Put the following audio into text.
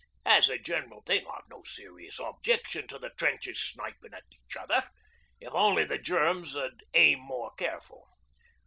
As a general thing I've no serious objection to the trenches snipin' each other, if only the Germs 'ud aim more careful.